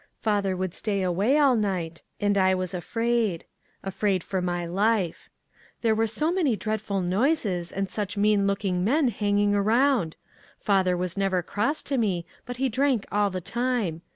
Father would stay away all night, and I was afraid ; afraid for my life. There were so many dreadful noises, and such mean looking men hanging around ; father was never cross to me, but he drank all the time.